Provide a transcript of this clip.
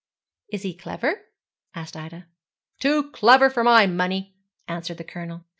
'Is he clever?' asked Ida. 'Too clever for my money,' answered the Colonel.